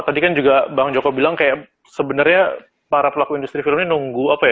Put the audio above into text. tadi kan juga bang joko bilang kayak sebenarnya para pelaku industri film ini nunggu apa ya